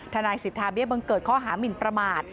ทนายสิทธาเบี้ยบังเกิดข้อหามินประมาท